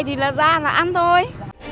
thì là ra là ăn thôi